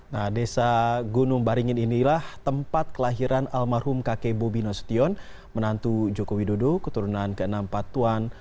nah desa gunung baringin inilah tempat kelahiran almarhum kakek bobi nasution menantu joko widodo keturunan ke enam patuan